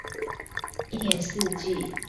一年四季